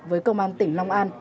với công an tỉnh long an